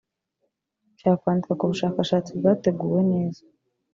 cyandikwa ku bushakashatsi bwateguwe neza